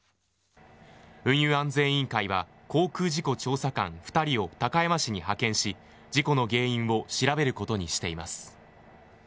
運輸安全委員会は航空事故調査官２人を高山市に派遣し事故の原因を調べることにしています。